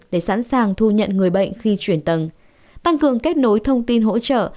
để sẵn sàng thu nhận người bệnh khi chuyển tầng tăng cường kết nối thông tin hỗ trợ